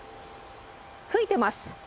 吹いてます。